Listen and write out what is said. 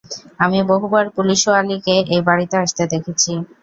আমি বহুবার পুলিশওয়ালীকে এই বাড়িতে আসতে দেখেছি।